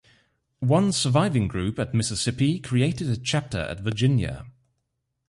One surviving group at Mississippi created a chapter at Virginia.